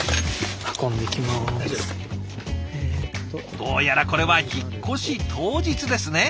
どうやらこれは引っ越し当日ですね。